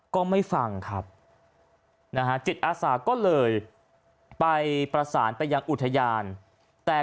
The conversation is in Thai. ก็ไม่ฟังครับนะฮะจิตอาสาก็เลยไปประสานไปยังอุทยานแต่